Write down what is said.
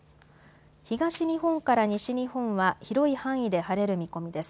東日本から西日本は広い範囲で晴れる見込みです。